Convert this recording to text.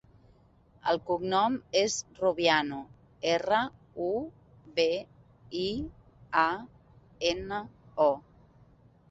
El cognom és Rubiano: erra, u, be, i, a, ena, o.